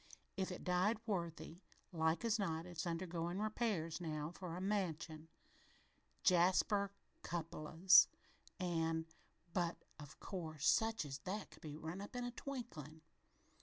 If it died worthy, like as not it's undergoin' repairs now for a 'mansion,' jasper cupalos, an' but, of course, such as that could be run up in a twinklin'.